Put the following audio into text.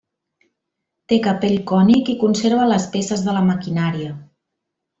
Té capell cònic i conserva les peces de la maquinària.